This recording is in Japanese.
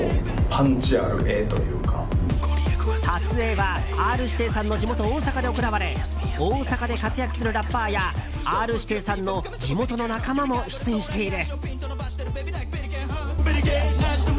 撮影はＲ‐指定さんの地元・大阪で行われ大阪で活躍するラッパーやＲ‐指定さんの地元の仲間も出演している。